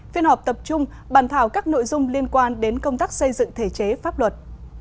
phiên họp tập trung bàn thảo các nội dung liên quan đến công tác xây dựng thể chế pháp luật